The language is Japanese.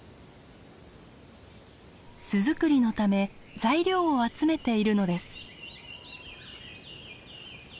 巣作りのため材料を集めているのです。